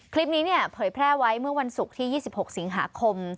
คลิปนี้เนี่ยเผยแพร่ไว้เมื่อวันศุกร์ที่๒๖สิงหาคม